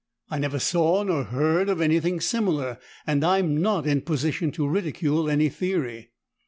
I never saw nor heard of anything similar, and I'm not in position to ridicule any theory."